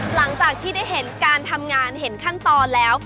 หลังจากที่ได้เห็นการทำงานเห็นขั้นตอนแล้ว